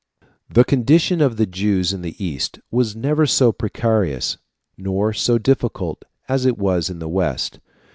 ] The condition of the Jews in the East was never so precarious nor so difficult as it was in the West.